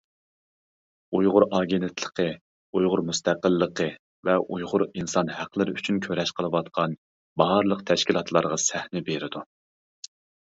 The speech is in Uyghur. ئۇيغۇر ئاگېنتلىقى -ئۇيغۇر مۇستەقىللىقى ۋە ئۇيغۇر ئىنسان ھەقلىرى ئۈچۈن كۈرەش قىلىۋاتقان بارلىق تەشكىلاتلارغا سەھنە بېرىدۇ.